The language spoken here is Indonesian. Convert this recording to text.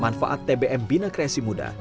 manfaat tbm bina kreasi muda